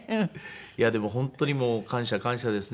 いやでも本当にもう感謝感謝ですね。